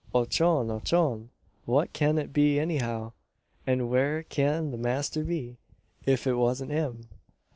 Ochone! ochone! what cyan it be anyhow? An' where cyan the masther be, if it wasn't him?